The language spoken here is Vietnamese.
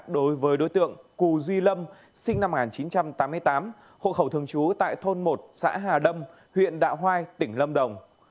đối với đối tượng cù duy lâm sinh năm một nghìn chín trăm tám mươi tám hộ khẩu thường trú tại thôn một xã hà đông huyện đạo hoai tỉnh lâm đồng